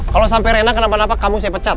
kalau sampai rena kenapa napa kamu saya pecat